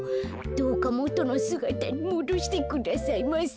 どうかもとのすがたにもどしてくださいませ」。